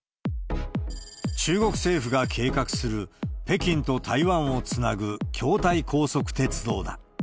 中国政府が計画する、北京と台湾をつなぐ京台高速鉄道だ。